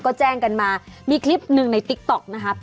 ก็แจ้งกันมามีคลิปหนึ่งในติ๊กต๊อกนะครับ